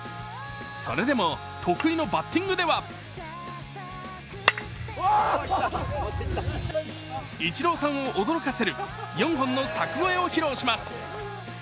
それでも得意のバッティングではイチローさんを驚かせる４本の柵越えを披露します。